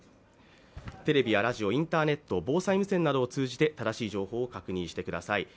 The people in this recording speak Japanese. テレビやラジオ、インターネット、防災無線などを通じて正しい情報を確認してください。